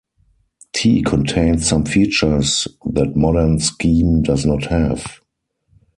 T contains some features that modern Scheme does not have.